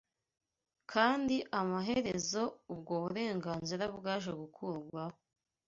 kandi amaherezo ubwo burenganzira bwaje gukurwaho